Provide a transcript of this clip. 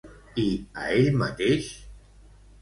I a ell mateix?